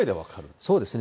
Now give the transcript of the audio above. そうですね。